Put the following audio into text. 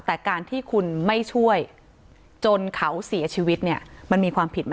แต่การที่คุณไม่ช่วยจนเขาเสียชีวิตเนี่ยมันมีความผิดไหม